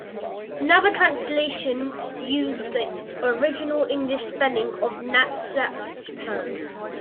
Another translation used the original English spelling of Nadsat terms.